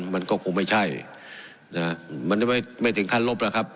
มันก็คงไม่ใช่นะมันจะไม่ถึงขั้นลบแล้วครับ